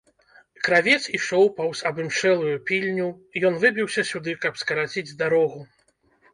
Кравец ішоў паўз абымшэлую пільню, ён выбіўся сюды, каб скараціць дарогу.